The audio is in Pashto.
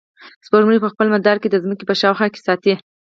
سپوږمۍ په خپل مدار کې د ځمکې په شاوخوا ساتي.